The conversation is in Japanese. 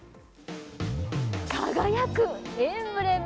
輝くエンブレム！